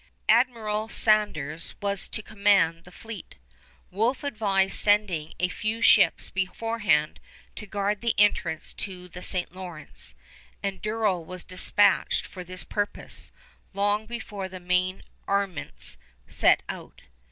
Admiral Saunders was to command the fleet. Wolfe advised sending a few ships beforehand to guard the entrance to the St. Lawrence, and Durell was dispatched for this purpose long before the main armaments set out.